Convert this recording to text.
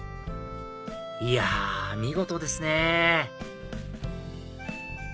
いや見事ですね！